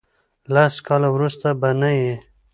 لس کاله ورسته به نه یی.